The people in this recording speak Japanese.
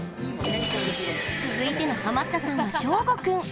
続いてのハマったさんはしょうご君。